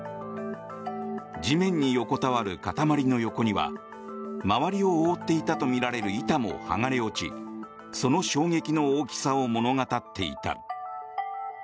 地面に横たわる塊の横には周りを覆っていたとみられる板も剥がれ落ち、その衝撃の大きさを物語っていた。